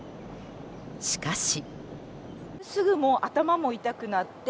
しかし。